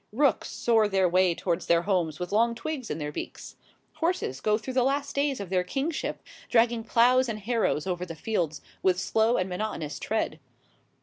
Rooks oar their way towards their homes with long twigs in their beaks. Horses go through the last days of their kingship dragging ploughs and harrows over the fields with slow and monotonous tread.